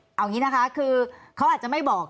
เอาอย่างนี้นะคะคือเขาอาจจะไม่บอก